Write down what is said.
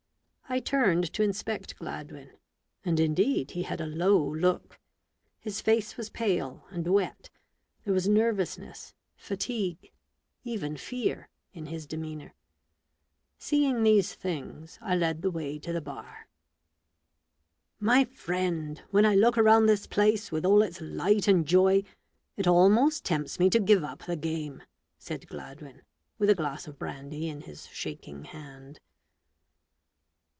1 turned to inspect Gladwin : and indeed he had a low look. His face was pale and wet : there was nervousness, fatigue, even fear, A STUDY IN MURDER, 1 05 in his demeanour. Seeing these things, I led the wa}' to the bar. "My friend, when I look around this place, with all its light and joy, it almost tempts me to give up the game," said Gladwin, with a glass of brandy in his shaking hand.